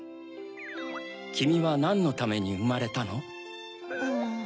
きみはなんのためにうまれたの？